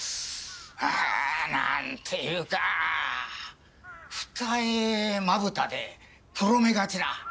ああなんていうか二重まぶたで黒目がちな。